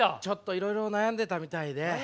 ちょっといろいろ悩んでたみたいで。